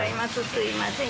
すいません。